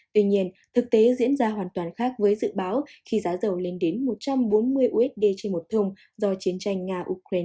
tuy nhiên thực tế diễn ra hoàn toàn khác với dự báo khi giá dầu lên đến một trăm bốn mươi usd trên một thùng do chiến tranh nga ukraine